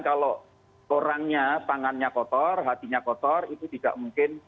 kalau orangnya tangannya kotor hatinya kotor itu tidak mungkin